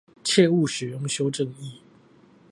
切勿使用修正液